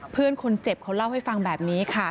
เพื่อนคนเจ็บเขาเล่าให้ฟังแบบนี้ค่ะ